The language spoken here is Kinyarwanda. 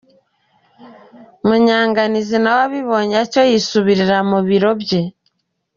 Munyanganizi nawe abibonye atyo yisubirira mu biro bye.